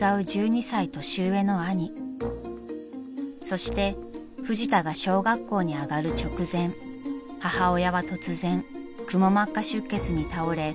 ［そしてフジタが小学校に上がる直前母親は突然くも膜下出血に倒れこの世を去ったのです］